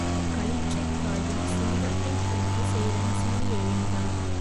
களிற்றைக் காயும் சிங்கத்தைப் போன்று சேரன் சீறி எழுந்தான்.